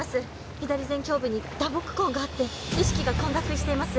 左前胸部に打撲痕があって意識が混濁しています